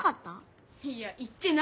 いや言ってないだろ。